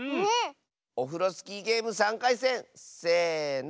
オフロスキーゲーム３かいせんせの。